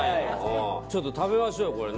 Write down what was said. ちょっと食べましょうよこれね。